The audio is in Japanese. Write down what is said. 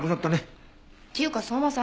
っていうか相馬さん